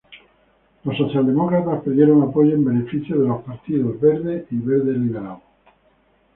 Los socialdemócratas perdieron apoyo en beneficio de los partidos Verde y Verde Liberal.